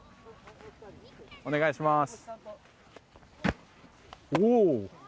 お願いします。